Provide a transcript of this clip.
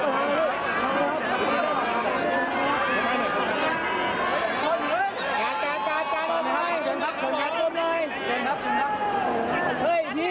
ขอบคุณครับขอบคุณครับ